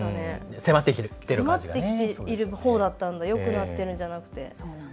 迫ってきているほうだったんだよくなっているんじゃなくて。